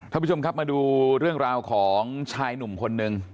ท่านผู้ชมครับมาดูเรื่องราวของชายหนุ่มคนนึง